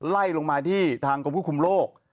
ไล่ลงมาที่ทางกรมควบคุมโลก